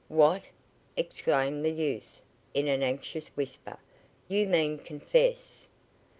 "What!" exclaimed the youth in an anxious whisper. "You mean confess?"